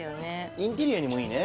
インテリアにもいいね